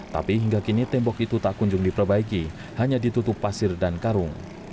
tapi hingga kini tembok itu tak kunjung diperbaiki hanya ditutup pasir dan karung